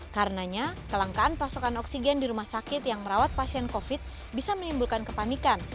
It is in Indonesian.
karena kelangkaan pasokan oksigen di rumah sakit yang merawat pasien covid sembilan belas bisa menimbulkan kepanikan